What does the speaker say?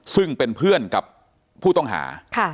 ซึ่งเป็นเพื่อนกับผู้ต้องหา